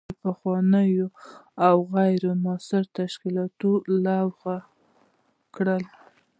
د پخوانیو او غیر مؤثرو تشکیلاتو لغوه کول.